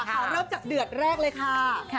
แนะนำตัวกันก่อนเลยดีกว่าค่ะ